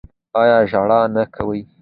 ایا ژړا نه کوي؟